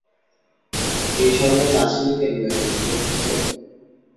এই শরবত আসেনি কেনো এখনো পর্যন্ত!